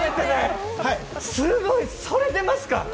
すごい！それ出ますか。